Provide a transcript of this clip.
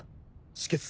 止血。